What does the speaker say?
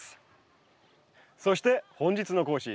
そして本日の講師